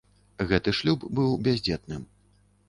Гэты шлюб быў бяздзетным.